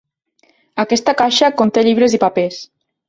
Aquesta caixa conté llibres i papers.